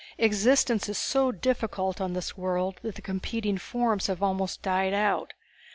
Existence is so difficult on this world that the competing forms have almost died out.